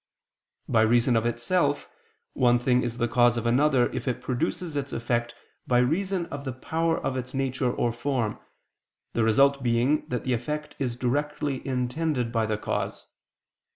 By reason of itself, one thing is the cause of another, if it produces its effect by reason of the power of its nature or form, the result being that the effect is directly intended by the cause.